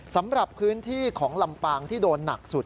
สำหรับพื้นที่ของลำปางที่โดนหนักสุด